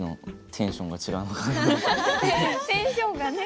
テンションがね。